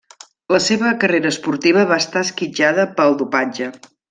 La seva carrera esportiva va estar esquitxada pel dopatge.